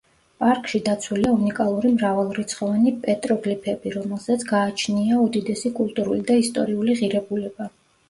პარკში დაცულია უნიკალური მრავალრიცხოვანი პეტროგლიფები, რომელსაც გააჩნია უდიდესი კულტურული და ისტორიული ღირებულება.